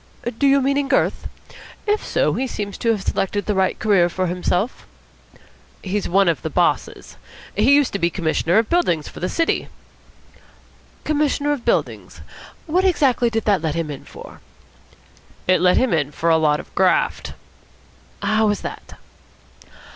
"Do you mean in girth? If so, he seems to have selected the right career for himself." "He's one of the bosses. He used to be Commissioner of Buildings for the city." "Commissioner of Buildings? What exactly did that let him in for?" "It let him in for a lot of graft." "How was that?"